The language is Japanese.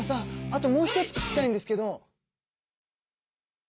あともう一つ聞きたいんですけど！